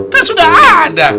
kan sudah ada